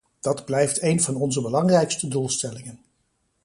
Dat blijft een van onze belangrijkste doelstellingen.